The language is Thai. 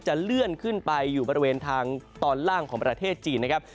เลื่อนขึ้นไปอยู่บริเวณทางตอนล่างของประเทศจีนนะครับ